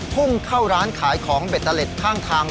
พุ่งเข้าร้านขายของเบตเตอร์เล็ตข้างทาง